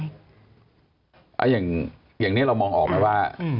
อย่างนี้เรามองออกไหมว่า